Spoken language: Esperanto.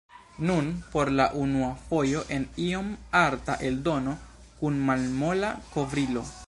Nun por la unua fojo en iom arta eldono, kun malmola kovrilo.